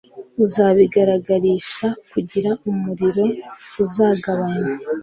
uzabigaragarisha kugira umuriro uzagabanywa